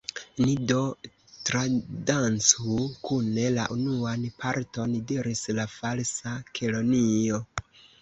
"Ni do tradancu kune la unuan parton," diris la Falsa Kelonio.